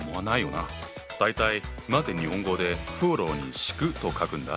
大体なぜ日本語で「風呂に敷く」と書くんだ？